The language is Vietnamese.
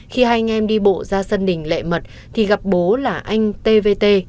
khi hai anh em đi bộ ra sân đình lệ mật thì gặp bố là anh tvt